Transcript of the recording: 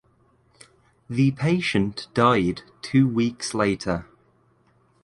The patient died two weeks later.